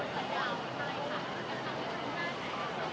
สวัสดีครับสวัสดีครับ